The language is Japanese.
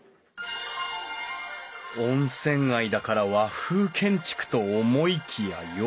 温泉街だから和風建築と思いきや洋館！